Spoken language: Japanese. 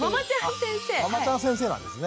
「ママちゃん先生」なんですね。